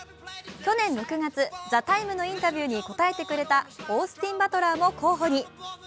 去年６月「ＴＨＥＴＩＭＥ，」のインタビューに答えてくれたオースティン・バトラーも候補に。